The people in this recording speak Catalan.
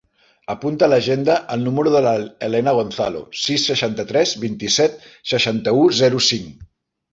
Apunta a l'agenda el número de la Helena Gonzalo: sis, seixanta-tres, vint-i-set, seixanta-u, zero, cinc.